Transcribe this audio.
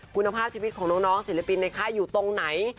คุณภาพชีวิตของน้องศิลปินในค่ายอยู่ตรงไหน